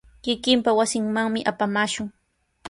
Kikinpa wasinmanmi apamaashun.